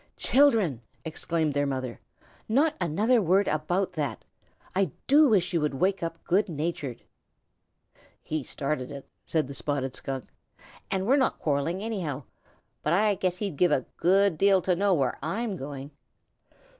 "Children!" exclaimed their mother. "Not another word about that. I do wish you would wake up good natured." "He started it," said the Spotted Skunk, "and we're not quarrelling anyhow. But I guess he'd give a good deal to know where I'm going."